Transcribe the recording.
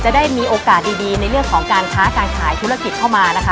ได้มีโอกาสดีในเรื่องของการค้าการขายธุรกิจเข้ามานะคะ